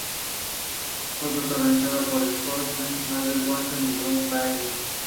Fue protagonizada por Scott Glenn, Alberta Watson y Bruce Payne.